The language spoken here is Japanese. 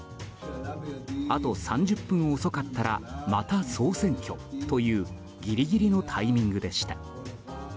あと３０分遅かったらまた総選挙というギリギリのタイミングでした。